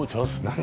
何？